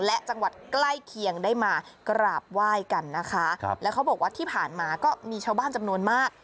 และจังหวัดใกล้เคียงได้มากราบไหว้กันนะคะครับแล้วเขาบอกว่าที่ผ่านมาก็มีชาวบ้านจำนวนมาก